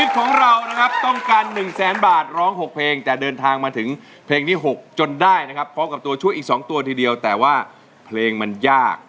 ด้านหนึ่งแสนบาทร้องหกเพลงแต่เดินทางมาถึงเพลงที่หกจนได้นะครับห้องกับตัวช่วยอีกสองตัวทีเดียวแต่ว่าเพลงมันยาก